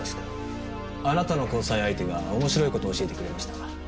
あなたの交際相手が面白い事を教えてくれました。